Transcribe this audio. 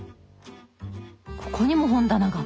ここにも本棚が！